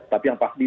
tapi yang pasti